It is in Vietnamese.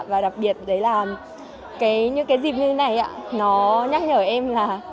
và đặc biệt đấy là cái dịp như thế này ạ nó nhắc nhở em là